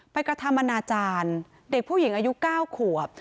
กระทำอนาจารย์เด็กผู้หญิงอายุ๙ขวบ